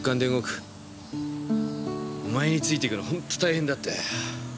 お前についていくのはホント大変だったよ。